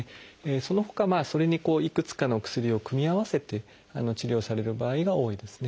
そのほかそれにいくつかの薬を組み合わせて治療される場合が多いですね。